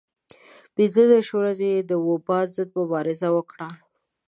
پنځه دېرش ورځې یې د وبا ضد مبارزه وکړه.